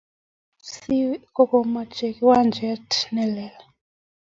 Bandari fc ko komache kiwanjet ne lel